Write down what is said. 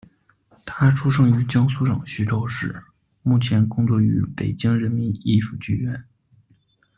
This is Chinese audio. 他出生于江苏省徐州市，目前工作于北京人民艺术剧院。